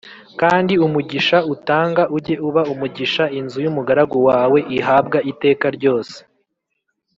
kandi umugisha utanga ujye uba umugisha inzu y’umugaragu wawe ihabwa iteka ryose